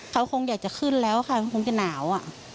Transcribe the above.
เขาคงอยากจะขึ้นแล้วค่ะคงจะหนาว